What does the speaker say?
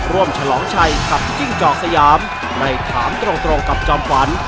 ฉลองชัยกับจิ้งจอกสยามในถามตรงกับจอมขวัญ